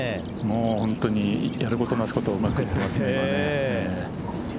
本当にやることなすことうまくいってますね。